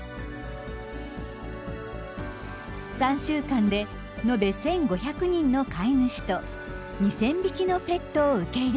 ３週間で延べ１，５００人の飼い主と２，０００匹のペットを受け入れました。